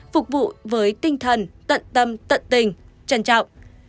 phục vụ với tinh thần tận tâm tận tình trân trọng